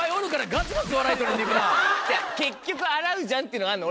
結局洗うじゃんっていうのがあんの